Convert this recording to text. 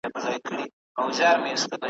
قسمت درې واړه شته من په یوه آن کړل ,